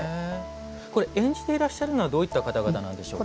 これ、演じていらっしゃるのはどういった方々なんでしょうか。